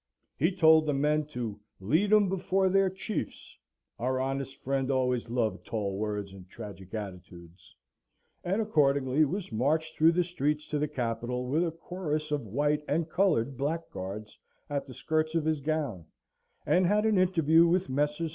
He told the men to "lead him before their chiefs" (our honest friend always loved tall words and tragic attitudes); and accordingly was marched through the streets to the Capitol, with a chorus of white and coloured blackguards at the skirts of his gown; and had an interview with Messrs.